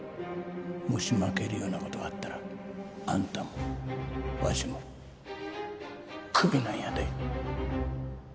もし負けるような事があったらあんたもわしもクビなんやで。